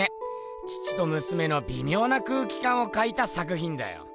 父とむすめのびみょうな空気かんを描いた作ひんだよ。